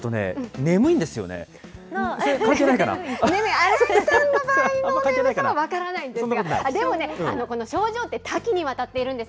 新井さんの場合の眠さは分からないですが、でもね、この症状って、多岐にわたっているんです。